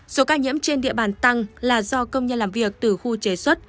số ca nhiễm trên địa bàn tăng là do công nhân làm việc từ khu chế xuất